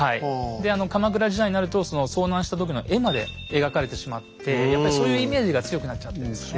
で鎌倉時代になると遭難した時の絵まで描かれてしまってやっぱりそういうイメージが強くなっちゃってるんですね。